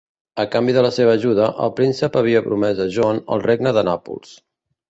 A canvi de la seva ajuda, el príncep havia promès a John el Regne de Nàpols.